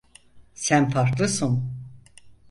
Sen farklısın.